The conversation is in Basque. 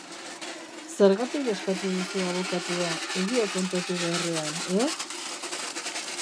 Zergatik eskatu duzu abokatua, egia kontatu beharrean, e?